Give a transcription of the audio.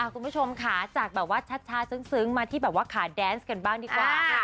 คุณผู้ชมค่ะจากแบบว่าชัดซึ้งมาที่แบบว่าขาแดนส์กันบ้างดีกว่าค่ะ